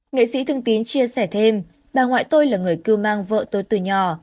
nghệ sĩ thương tín chia sẻ thêm bà ngoại tôi là người cư mang vợ tôi từ nhỏ